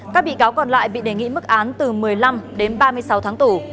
các bị cáo còn lại bị đề nghị mức án từ một mươi năm đến ba mươi sáu tháng tù